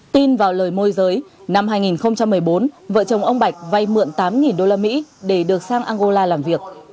tin vào lời môi giới năm hai nghìn một mươi bốn vợ chồng ông bạch vay mượn tám usd để được sang angola làm việc